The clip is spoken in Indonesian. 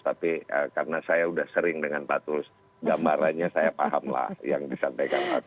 tapi karena saya sudah sering dengan pak tulus gambarannya saya pahamlah yang disampaikan pak tulus